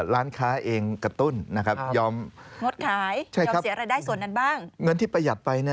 ร้านค้าเองกระตุ้นยอมเงินที่ประหยัดไป